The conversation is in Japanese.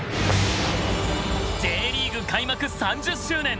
Ｊリーグ開幕３０周年！